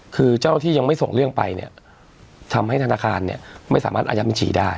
คือเจ้าที่ยังไม่ส่งเรื่องไปเนี่ยทำให้ธนาคารเนี่ยไม่สามารถอายัดบัญชีได้